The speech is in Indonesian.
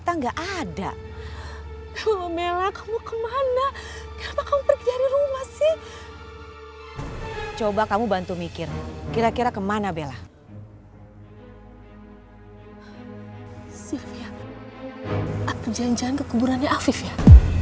aku janjian kekuburannya afif ya